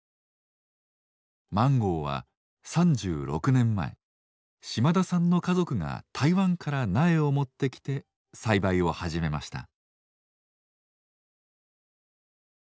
マンゴーは３６年前島田さんの家族が台湾から苗を持ってきて栽培を始めました。